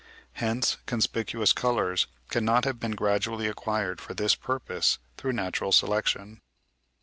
Hence conspicuous colours cannot have been gradually acquired for this purpose through natural selection.